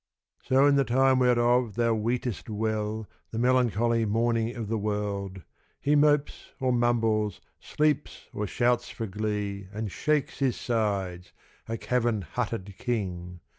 So in the time whereof thou weetest well The melancholy morning of the World He mopes or mumbles, sleeps or shouts for glee, And shakes his sides a cavern hutted King!